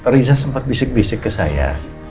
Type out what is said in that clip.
riza sempat bisik bisik ke saya